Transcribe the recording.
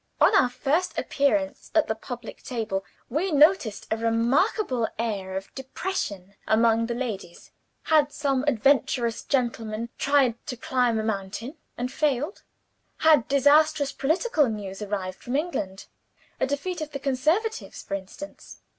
"On our first appearance at the public table we noticed a remarkable air of depression among the ladies. Had some adventurous gentleman tried to climb a mountain, and failed? Had disastrous political news arrived from England; a defeat of the Conservatives, for instance?